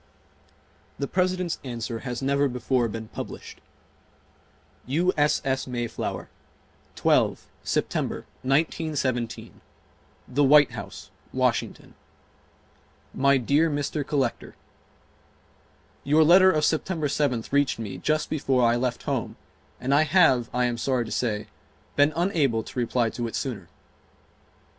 The President's answer has never before been published: U. S. S. MAYFLOWER, 12 September, 1917. THE WHITE HOUSE WASHINGTON My dear Mr. Collector: Your letter of September 7th reached me just before I left home and I have, I am sorry to say, been unable to reply to it sooner.